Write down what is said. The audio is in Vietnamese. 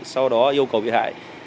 sau đó yêu cầu bị hại